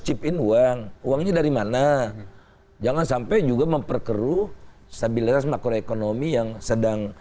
chip in uang uangnya dari mana jangan sampai juga memperkeruh stabilitas makroekonomi yang sedang